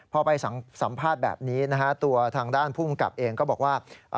พอไปสัมภาษณ์แบบนี้นะฮะตัวทางด้านภูมิกับเองก็บอกว่า